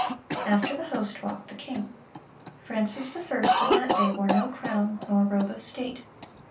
After the host walked the king.... Francis I. on that day wore no crown, nor robe of state."